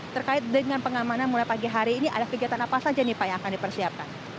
terkait dengan pengamanan mulai pagi hari ini ada kegiatan apa saja nih pak yang akan dipersiapkan